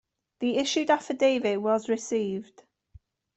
The issued affidavit was received.